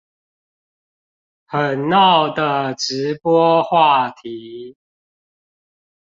很鬧的直播話題